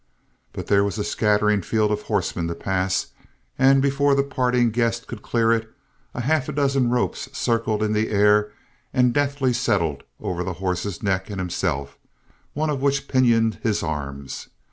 But there was a scattering field of horsemen to pass, and before the parting guest could clear it, a half dozen ropes circled in the air and deftly settled over his horse's neck and himself, one of which pinioned his arms.